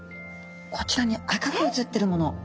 こちらに赤くうつってるもの。